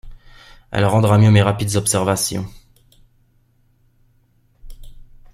Elle rendra mieux mes rapides observations.